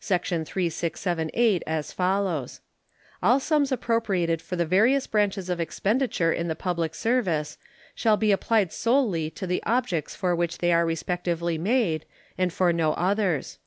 Section 3678, as follows: All sums appropriated for the various branches of expenditure in the public service shall be applied solely to the objects for which they are respectively made, and for no others.